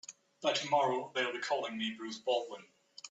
By tomorrow they'll be calling me Bruce Baldwin.